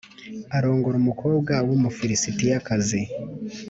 Arongora umukobwa w Umufilisitiyakazi.